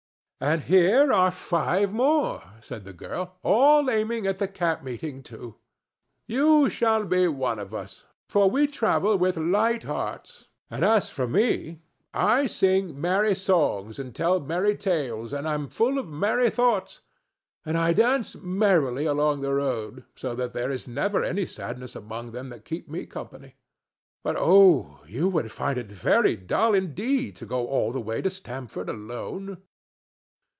"And here are five more," said the girl, "all aiming at the camp meeting too. You shall be one of us, for we travel with light hearts; and, as for me, I sing merry songs and tell merry tales and am full of merry thoughts, and I dance merrily along the road, so that there is never any sadness among them that keep me company. But oh, you would find it very dull indeed to go all the way to Stamford alone."